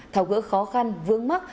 thảo gỡ khó khăn vương mắc